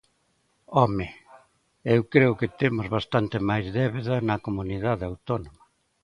¡Home!, eu creo que temos bastante máis débeda na Comunidade Autónoma.